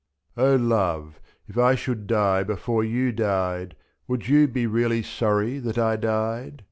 O love, if I should die before you died. Would you be really sorry that I died